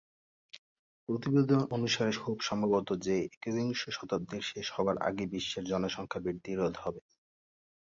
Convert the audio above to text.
প্রতিবেদন অনুসারে, খুব সম্ভবত যে একবিংশ শতাব্দীর শেষ হবার আগেই বিশ্বের জনসংখ্যা বৃদ্ধি রোধ হবে।